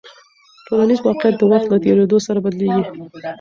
ټولنیز واقیعت د وخت له تېرېدو سره بدلېږي.